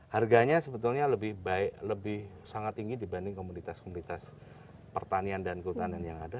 harganya sebetulnya lebih baik lebih sangat tinggi dibanding komunitas komunitas pertanian dan kehutanan yang ada